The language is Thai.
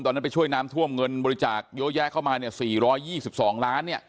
ไปช่วยน้ำท่วมเงินบริจาคเยอะแยะเข้ามาเนี่ย๔๒๒ล้านเนี่ย